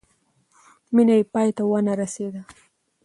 مینه یې پای ته ونه رسېده.